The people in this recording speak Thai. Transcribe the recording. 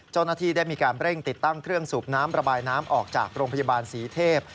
เจ้าหน้าที่ได้มีการเร่งติดตั้งเครื่องสูบน้ำระบายน้ำออกจากโรงพยาบาลศรีเทพ